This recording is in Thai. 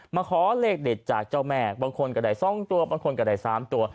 มาขอเลขเด็ดจากเจ้าแม่บางคนกระด่ายสองตัวบางคนกระด่ายสามตัว